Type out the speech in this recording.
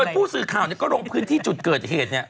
ผู้สื่อข่าวก็ลงพื้นที่จุดเกิดเหตุ